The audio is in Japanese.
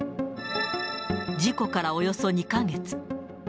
事故からおよそ２か月。